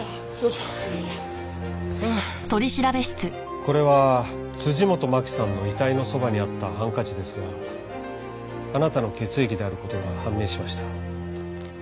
これは辻本マキさんの遺体のそばにあったハンカチですがあなたの血液である事が判明しました。